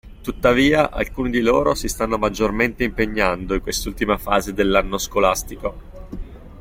Tuttavia, alcuni di loro si stanno maggiormente impegnando in quest'ultima fase dell'anno scolastico.